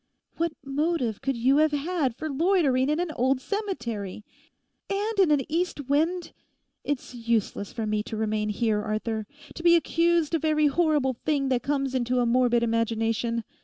What motive could you have had for loitering in an old cemetery? And in an east wind! It's useless for me to remain here, Arthur, to be accused of every horrible thing that comes into a morbid imagination.